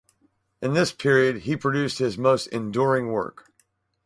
In this period, he produced his most enduring work.